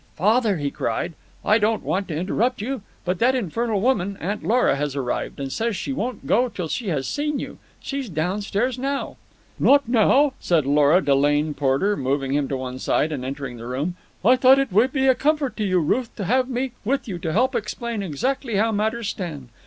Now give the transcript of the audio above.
"Father," he cried, "I don't want to interrupt you, but that infernal woman, Aunt Lora, has arrived, and says she won't go till she has seen you. She's downstairs now." "Not now," said Lora Delane Porter, moving him to one side and entering the room. "I thought it would be a comfort to you, Ruth, to have me with you to help explain exactly how matters stand.